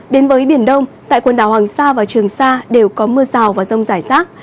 đến với biển đông tại quần đảo hoàng sa và trường sa đều có mưa rào và rông rải rác